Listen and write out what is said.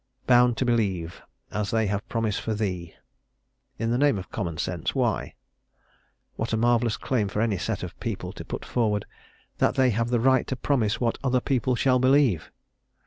"Bound to believe... as they have promised for thee!" In the name of common sense, why? What a marvellous claim for any set of people to put forward, that they have the right to promise what other people shall believe.